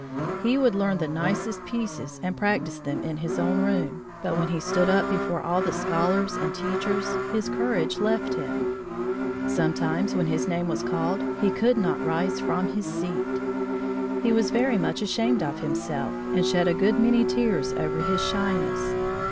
He would learn the nicest pieces and practise them in his own room, but when he stood up before all the scholars and teachers, his courage left him. Sometimes, when his name was called, he could not rise from his seat. He was very much ashamed of himself and shed a good many tears over his shyness.